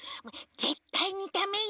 ぜったいにダメよ。